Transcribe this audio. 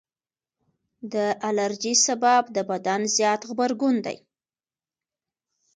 د الرجي سبب د بدن زیات غبرګون دی.